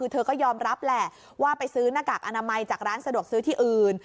เธอก็ยอมรับแหละว่าไปซื้อหน้ากากอนามัยจากร้านสะดวกซื้อที่อื่น